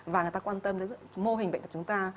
và người ta quan tâm đến mô hình bệnh tật chúng ta